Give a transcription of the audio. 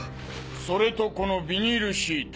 それとこのビニールシート！